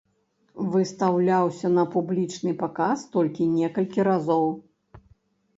Выстаўляўся на публічны паказ толькі некалькі разоў.